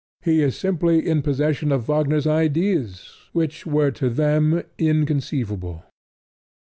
He is simply in possession of Wagner's ideas, which were to them inconceivable.